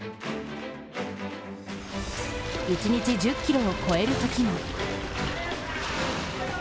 一日１０ｋｍを超えるときも。